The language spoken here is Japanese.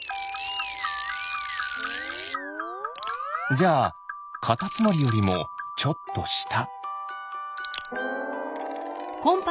じゃあカタツムリよりもちょっとした。